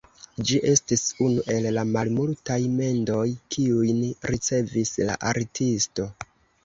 Ĝi estis unu el la malmultaj mendoj, kiujn ricevis la artisto.